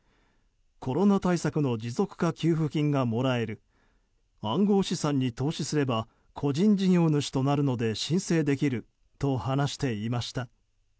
コロナ対策の持続化給付金がもらえる暗号資産に投資すれば個人事業主となるので申請できると話していました。